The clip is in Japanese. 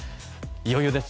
いよいよです。